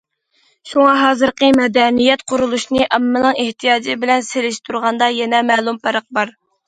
شۇڭا ھازىرقى مەدەنىيەت قۇرۇلۇشىنى ئاممىنىڭ ئېھتىياجى بىلەن سېلىشتۇرغاندا يەنە مەلۇم پەرق بار.